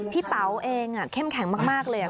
เต๋าเองเข้มแข็งมากเลย